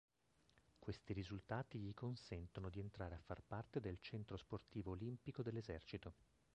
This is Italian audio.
Questi risultati gli consentono di entrare a far parte del Centro sportivo olimpico dell’Esercito.